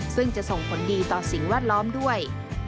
ซึ่งจะส่งผลดีต่อสิ่งแวดล้อมด้วย